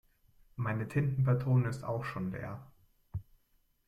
Meine Tintenpatrone ist auch schon leer.